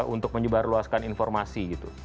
untuk menyebarluaskan informasi gitu